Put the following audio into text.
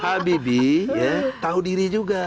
habibi tahu diri juga